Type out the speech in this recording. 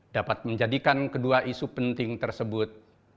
dapat menjadikan kedua isu penting tersebut